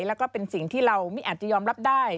แล้วก็เป็นสิ่งที่เราไม่อาจจะยอมรับได้